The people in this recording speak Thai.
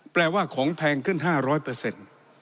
แปลว่าของแพงขึ้น๕๐๐